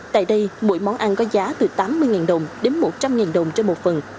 tại đây mỗi món ăn có giá từ tám mươi đồng đến một trăm linh đồng trên một phần